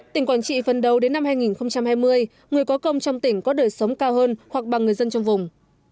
tỉnh quảng trị phần đầu đến năm hai nghìn hai mươi người có công trong tỉnh có đời sống cao hơn hoặc bằng người dân trong vùng